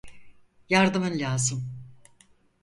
Yardımın lazım.